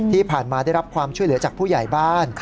ที่ผ่านมาได้รับความช่วยเหลือจากผู้ใหญ่บ้าน